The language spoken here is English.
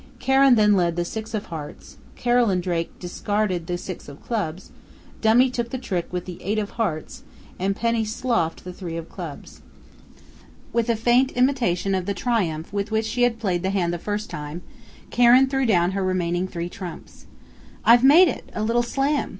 Karen then led the six of Hearts, Carolyn Drake discarded the six of Clubs, dummy took the trick with the eight of Hearts, and Penny sloughed the three of Clubs. With a faint imitation of the triumph with which she had played the hand the first time, Karen threw down her remaining three trumps. "I've made it a little slam!"